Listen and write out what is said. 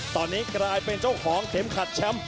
ตอนนี้กลายเป็นเจ้าของเข็มขัดแชมป์